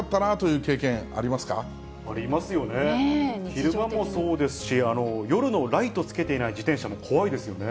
昼間もそうですし、夜のライトつけていない自転車も怖いですよね。